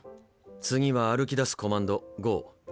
次は歩きだすコマンド「ゴー」。